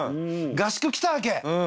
合宿来たわけ。